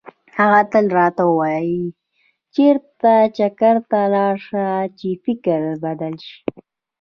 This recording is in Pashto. هغه تل راته وایي چېرته چکر ته لاړ شه چې فکر بدل شي.